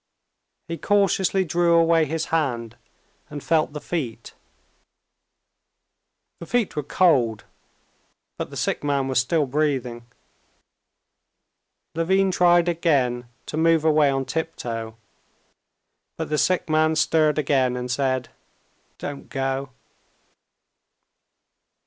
He cautiously drew away his hand and felt the feet. The feet were cold, but the sick man was still breathing. Levin tried again to move away on tiptoe, but the sick man stirred again and said: "Don't go."